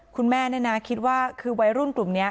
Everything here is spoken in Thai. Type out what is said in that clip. คุณแม่เนี่ยนะคิดว่าคือวัยรุ่นกลุ่มนี้